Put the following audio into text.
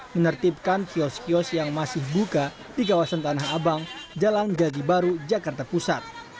menertibkan kios kios yang masih buka di kawasan tanah abang jalan gaji baru jakarta pusat